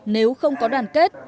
nếu không có đoàn kết